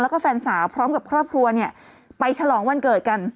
แล้วก็แฟนสาวพร้อมกับครอบครัวเนี่ยไปฉลองวันเกิดกัน